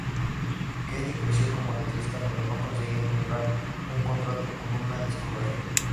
Kelly creció como letrista pero no conseguía encontrar un contrato con una discográfica.